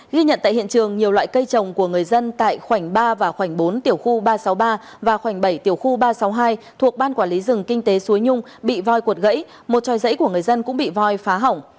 ghi nhận tại hiện trường nhiều loại cây trồng của người dân tại khoảnh ba và khoảnh bốn tiểu khu ba trăm sáu mươi ba và khoảnh bảy tiểu khu ba trăm sáu mươi hai thuộc ban quản lý rừng kinh tế suối nhung bị voi cuột gãy một tròi dãy của người dân cũng bị voi phá hỏng